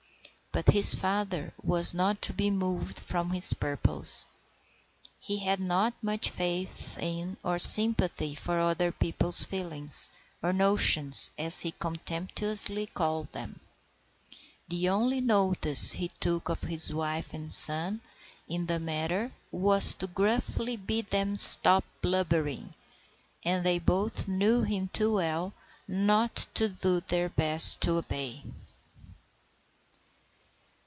But his father was not to be moved from his purpose. He had not much faith in or sympathy for other people's feelings, or "notions," as he contemptuously called them. The only notice he took of his wife and son in the matter was to gruffly bid them "stop blubbering;" and they both knew him too well not to do their best to obey.